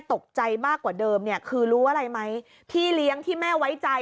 ตกใจมากกว่าเดิมเนี่ยคือรู้อะไรไหมพี่เลี้ยงที่แม่ไว้ใจ